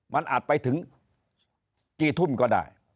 มันอาจไปถึงกี่ทุ่มก็ได้